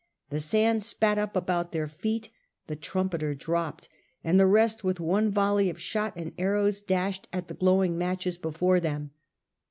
The sand spat up about their feet : the trumpeter dropped ; and the rest with one volley of shot and arrows dashed at the glowing matches before them.